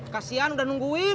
kasian udah nungguin